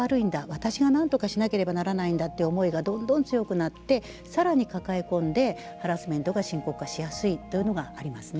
私がなんとかしなければならないだという思いがどんどん強くなってさらに抱え込んでハラスメントが深刻化しやすいというのがありますね。